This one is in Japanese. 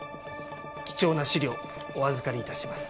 貴重な資料お預かり致します。